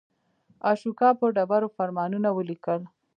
اشوکا په ډبرو فرمانونه ولیکل.